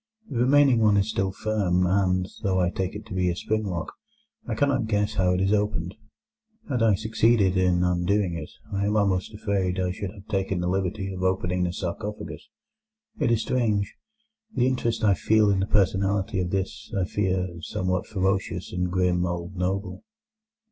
The remaining one is still firm, and, though I take it to be a spring lock, I cannot guess how it is opened. Had I succeeded in undoing it, I am almost afraid I should have taken the liberty of opening the sarcophagus. It is strange, the interest I feel in the personality of this, I fear, somewhat ferocious and grim old noble."